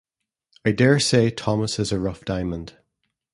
I dare say Thomas is a rough diamond.